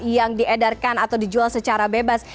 yang diedarkan atau dijual secara bebas